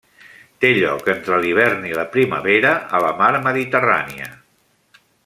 Té lloc entre l'hivern i la primavera a la mar Mediterrània.